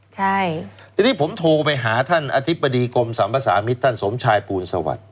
ใช่ทีนี้ผมโทรไปหาท่านอธิบดีกรมสำประสามิทท่านสมชายปูนสวรรค์